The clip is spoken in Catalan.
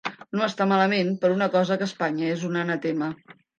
No està malament per una cosa que a Espanya és un anatema.